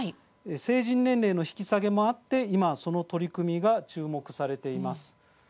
成人年齢の引き下げもあって今、その取り組みが注目されています。